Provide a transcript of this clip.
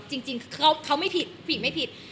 จริงเขาไม่ผิดผู้หญิงไม่ผิด